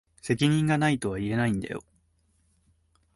責任が無いとは言えないんだよ。